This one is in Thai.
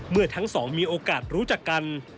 เมื่อทั้งสองมีโอกาสรู้จักกัน